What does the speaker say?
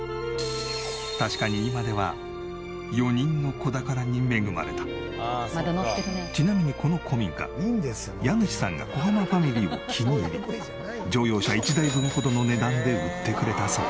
確かに今ではちなみにこの古民家家主さんが小濱ファミリーを気に入り乗用車１台分ほどの値段で売ってくれたそう。